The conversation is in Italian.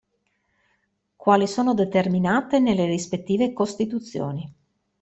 Quali sono determinate nelle rispettive costituzioni.